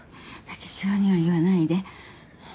武四郎には言わないで